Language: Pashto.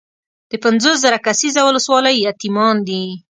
د پنځوس زره کسیزه ولسوالۍ یتیمان دي.